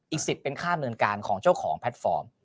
อีก๑๐เป็นค่าเมืองการของเจ้าของแพลตฟอร์ม